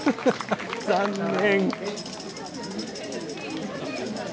残念。